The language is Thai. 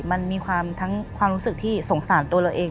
มันมีความรู้สึกที่สงสารตัวเราเอง